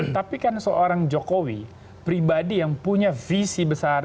tapi kan seorang jokowi pribadi yang punya visi besar